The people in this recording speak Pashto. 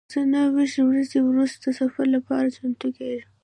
زه نهه ویشت ورځې وروسته د سفر لپاره چمتو کیږم.